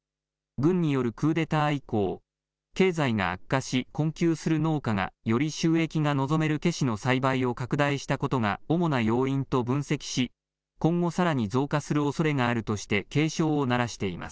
軍によるクーデター以降、経済が悪化し、困窮する農家がより収益が望めるケシの栽培を拡大したことが主な要因と分析し、今後さらに増加するおそれがあるとして、警鐘を鳴らしています。